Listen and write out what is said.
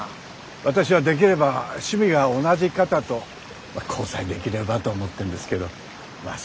私はできれば趣味が同じ方と交際できればと思ってるんですけどまあ